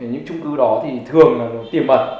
những trung cư đó thì thường là tiềm mật